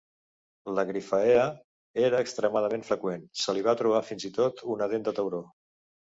La Gryphaea era extremadament freqüent, se li va trobar fins i tot, una dent de tauró.